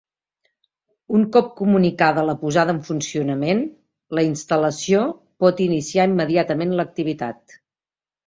Un cop comunicada la posada en funcionament, la instal·lació pot iniciar immediatament l'activitat.